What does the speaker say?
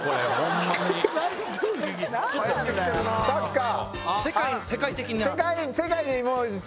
サッカー。